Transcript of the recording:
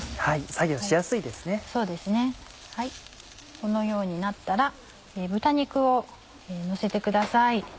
このようになったら豚肉をのせてください。